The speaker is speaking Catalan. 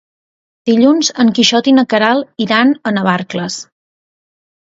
Dilluns en Quixot i na Queralt iran a Navarcles.